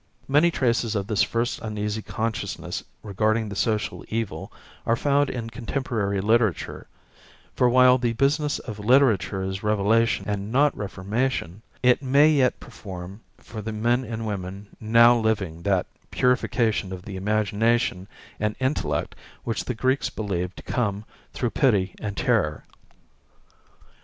Many traces of this first uneasy consciousness regarding the social evil are found in contemporary literature, for while the business of literature is revelation and not reformation, it may yet perform for the men and women now living that purification of the imagination and intellect which the Greeks believed to come through pity and terror.